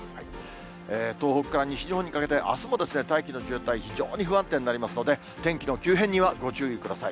東北から西日本にかけて、あすもですね、大気の状態、非常に不安定になりますので、天気の急変にはご注意ください。